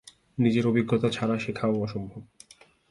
নিজের অভিজ্ঞতা ছাড়া শেখাও অসম্ভব।